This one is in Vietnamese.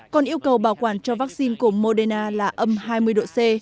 còn yêu cầu bảo quản cho vaccine của moderna là âm hai mươi độ c